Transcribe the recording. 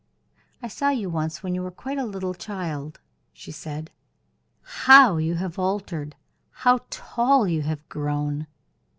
"I saw you once when you were quite a little child," she said. "How you have altered; how tall you have grown!"